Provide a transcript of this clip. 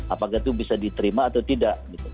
apakah itu bisa diterima atau tidak